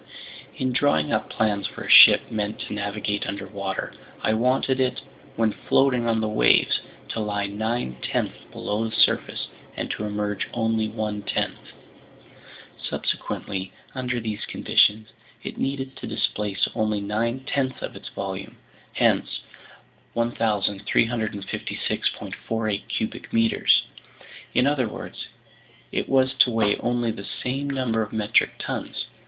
"In drawing up plans for a ship meant to navigate underwater, I wanted it, when floating on the waves, to lie nine tenths below the surface and to emerge only one tenth. Consequently, under these conditions it needed to displace only nine tenths of its volume, hence 1,356.48 cubic meters; in other words, it was to weigh only that same number of metric tons.